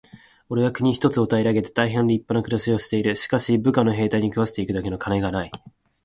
「おれは国一つを平げて大へん立派な暮しをしている。がしかし、部下の兵隊に食わして行くだけの金がない。」